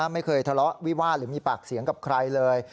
ไม่เคยทะเลาะวิวาสหรือมีปากเสียงกับใครเลย